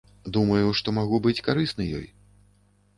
Думаю, што магу быць карысны ёй.